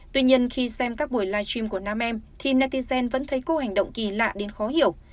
tuy nhiên khi xem các buổi live stream của nam em thì natizen vẫn thấy cô hành động kỳ lạ đến khó hiểu